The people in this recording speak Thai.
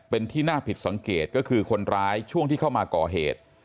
เป็นที่น่าผิดสังเกตก็คือคนร้ายช่วงที่เข้ามาก่อเหตุ